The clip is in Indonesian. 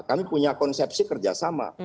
kami punya konsepsi kerjasama